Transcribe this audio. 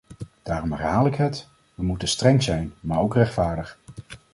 Daarom herhaal ik het: we moeten streng zijn, maar ook rechtvaardig.